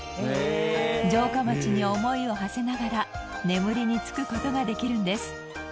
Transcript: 城下町に思いをはせながら眠りにつく事ができるんです。